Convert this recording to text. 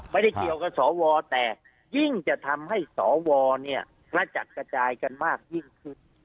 ไม่ได้เกี่ยวกับสวแต่ยิ่งจะทำให้สวเนี่ยกระจัดกระจายกันมากยิ่งขึ้น